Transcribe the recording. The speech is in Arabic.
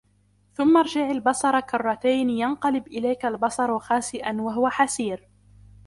ثم ارجع البصر كرتين ينقلب إليك البصر خاسئا وهو حسير